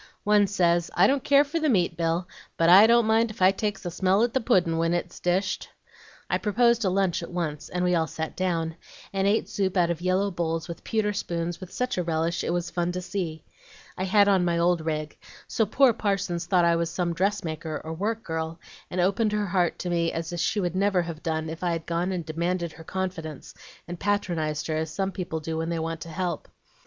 One says, 'I don't care for the meat, Bill, but I don't mind if I takes a smell at the pudd'n' when it's dished.' I proposed a lunch at once, and we all sat down, and ate soup out of yellow bowls with pewter spoons with such a relish it was fun to see. I had on my old rig; so poor Parsons thought I was some dressmaker or work girl, and opened her heart to me as she never would have done if I'd gone and demanded her confidence, and patronized her, as some people do when they want to help.